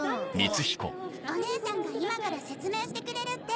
お姉さんが今から説明してくれるって。